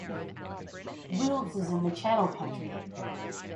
Wills is in the Channel Country.